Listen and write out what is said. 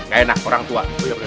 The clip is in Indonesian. gak enak orang tua